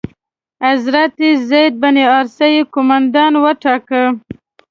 حضرت زید بن حارثه یې قومندان وټاکه.